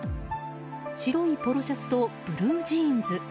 白いポロシャツとブルージーンズ。